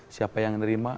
siapa yang menerima